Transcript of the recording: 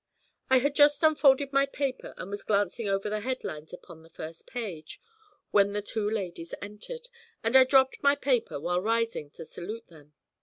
I had just unfolded my paper, and was glancing over the headlines upon the first page, when the two ladies entered, and I dropped my paper while rising to salute them.